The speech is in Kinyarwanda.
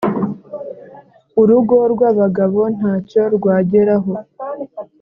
urugo rw’abagabo ntacyo rwageraho